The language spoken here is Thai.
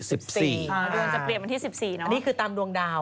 อันนี้คือตามดวงดาว